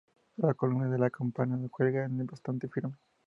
La columna de la campana cuelga en es bastante firme.